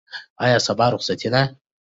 آیا سبا رخصتي ده؟